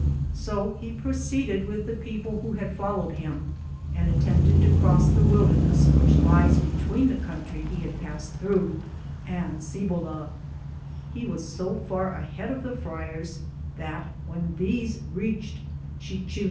So he proceeded with the people who had followed him, and attempted to cross the wilderness which lies between the country he had passed through and Gi ligirized I:, G00gk' THE JOURNEY OF CORONADO bob. He was so far ahead of the friars that, when these reached Chichil.